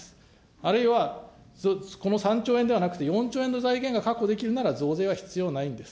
あるいは、この３兆円ではなくて４兆円の財源が確保できるなら増税は必要ないんです。